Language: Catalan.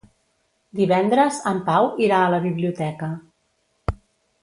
Divendres en Pau irà a la biblioteca.